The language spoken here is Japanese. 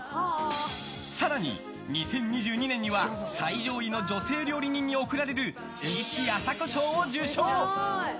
更に２０２２年には最上位の女性料理人に贈られる岸朝子賞を受賞。